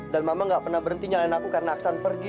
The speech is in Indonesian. dan mama nggak pernah berhenti nyalain aku karena aksan pergi